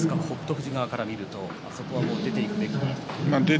富士側から見るとあそこは出ていくしかない。